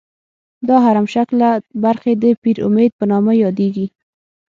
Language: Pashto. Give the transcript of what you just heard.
دا هرم شکله برخې د پیرامید په نامه یادیږي.